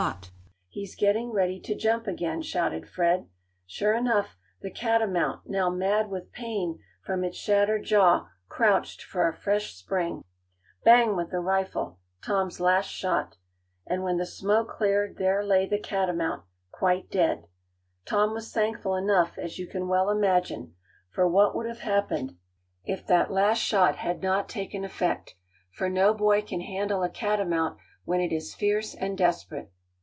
Quick, hurry and give him another shot. He's getting ready to jump again," shouted Fred. Sure enough, the catamount, now mad with pain from its shattered jaw, crouched for a fresh spring. "Bang," went the rifle, Tom's last shot. And when the smoke cleared there lay the catamount, quite dead. Tom was thankful enough, as you can well imagine, for what would have happened if that last shot had not taken effect? For no boy can handle a catamount when it is fierce and desperate.